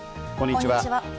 こんにちは。